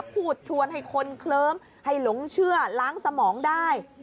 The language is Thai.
พูดชวนให้คนเคลิ้มให้หลงเชื่อล้างสมองได้